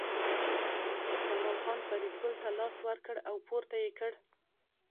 جمال خان فریدګل ته لاس ورکړ او پورته یې کړ